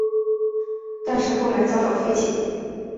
但是后来遭到废弃。